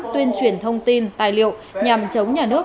tuyên truyền thông tin tài liệu nhằm chống nhà nước